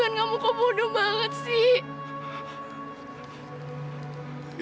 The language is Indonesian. juan kamu kok bodoh banget sih